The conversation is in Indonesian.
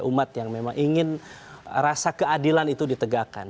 umat yang memang ingin rasa keadilan itu ditegakkan